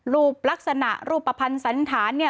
รูปลักษณะรูปปรรรพันธ์สันธาน